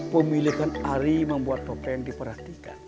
pemilihan arya membuat topeng diperhatikan